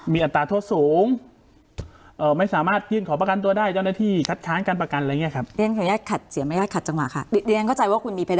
มีอัตราโทษสูงเอ่อไม่สามารถยื่นขอประกันตัวได้เจ้าหน้าที่